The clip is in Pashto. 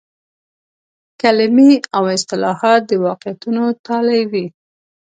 کلمې او اصطلاحات د واقعیتونو تالي وي.